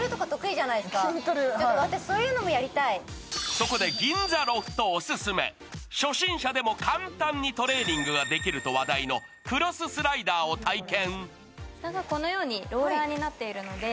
そこで銀座ロフトオススメ、初心者でも簡単にトレーニングができると話題のクロススライダーを体験。